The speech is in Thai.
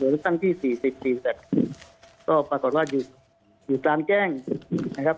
โดยเลือกตั้งที่สี่สิบสี่สัตว์ก็ปรากฏว่าอยู่อยู่กลางแจ้งนะครับ